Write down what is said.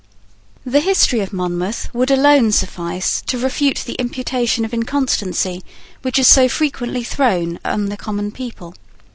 The history of Monmouth would alone suffice to refute the Imputation of inconstancy which is so frequently thrown on the common people.